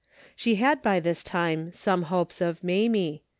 She had by this' time some hopes of Mamie.